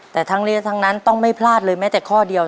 แต่ทั้งนี้ทั้งนั้นต้องไม่พลาดเลยแม้แต่ข้อเดียว